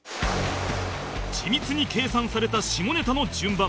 緻密に計算された下ネタの順番